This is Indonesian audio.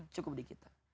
cukup di kita